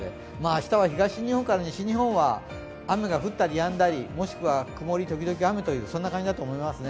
明日は、東日本から西日本は雨が降ったりやんだり、もしくは曇りときどき雨という感じだと思います。